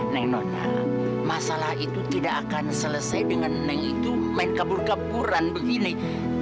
neng nona masalah itu tidak akan selesai dengan neng itu main kabur kaburan begini